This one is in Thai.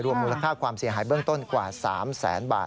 มูลค่าความเสียหายเบื้องต้นกว่า๓แสนบาท